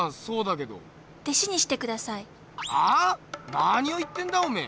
なにを言ってんだおめぇ？